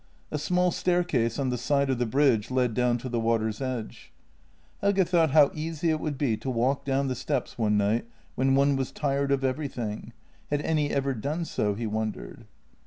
A small staircase on the side of the bridge led down to the water's edge. Helge thought how easy it would be to walk down the steps one night, when one was tired of everything — had any ever done so? he wondered.